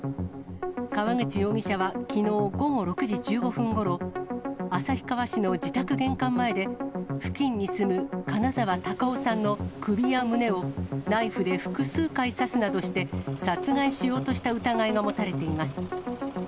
川口容疑者はきのう午後６時１５分ごろ、旭川市の自宅玄関前で、付近に住む金沢孝雄さんの首や胸をナイフで複数回刺すなどして、殺害しようとした疑いが持たれています。